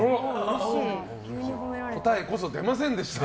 答えこそ出ませんでしたが。